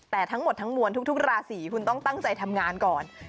แต่ทั้งหมดทั้งมวลทุกราศีคุณต้องตั้งใจทำงานก่อน